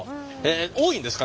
多いんですか？